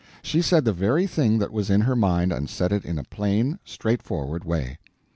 She said the very thing that was in her mind, and said it in a plain, straightforward way.